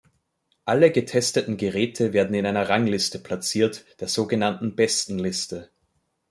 Alle getesteten Geräte werden in einer Rangliste platziert, der sogenannten Bestenliste.